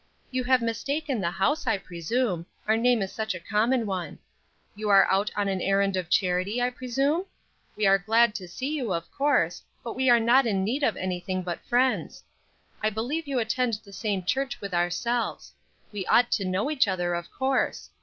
"You have mistaken the house, I presume; our name is such a common one. You are out on an errand of charity, I presume? We are glad to see you, of course, but we are not in need of anything but friends. I believe you attend the same church with ourselves; we ought to know each other, of course.